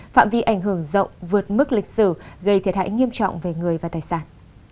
phạm vi ảnh hưởng rộng vượt mức lịch sử gây thiệt hại nghiêm trọng về người và tài sản